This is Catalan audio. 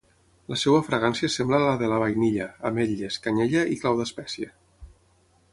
La seva fragància sembla la de la vainilla, ametlles, canyella i clau d'espècia.